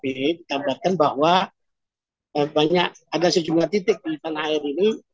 dikabarkan bahwa ada sejumlah titik di tanah air ini